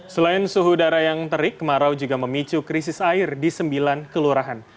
selain suhu udara yang terik kemarau juga memicu krisis air di sembilan kelurahan